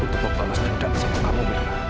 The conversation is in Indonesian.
untuk mempengas gedang sama kamu